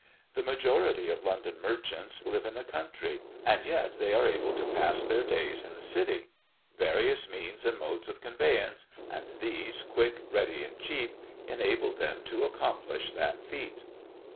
The majority of London merchants live in the country, and yet they are able to pass their days in the city. Various means and modes of conveyance, and these quick, ready, and cheap, enable them to accomplish that feat.